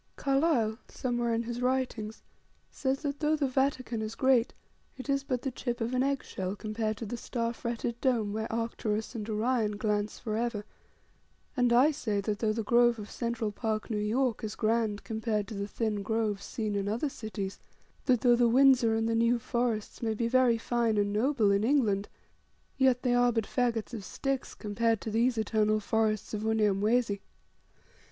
Carlyle, somewhere in his writings, says, that though the Vatican is great, it is but the chip of an eggshell compared to the star fretted dome where Arcturus and Orion glance for ever; and I say that, though the grove of Central Park, New York, is grand compared to the thin groves seen in other great cities, that though the Windsor and the New Forests may be very fine and noble in England, yet they are but fagots of sticks compared to these eternal forests of Unyamwezi.